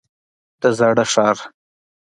د زاړه ښار.